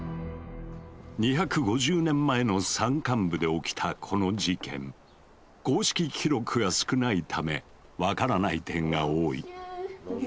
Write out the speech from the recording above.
２５０年前の山間部で起きたこの事件公式記録が少ないため分からない点が多い。